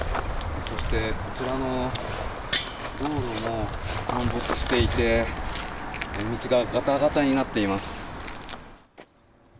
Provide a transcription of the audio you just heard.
そしてこちらの道路も陥没していて道がガタガタになっています。